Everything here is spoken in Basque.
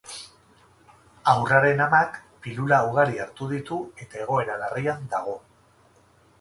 Haurraren amak pilula ugari hartu ditu eta egoera larrian dago.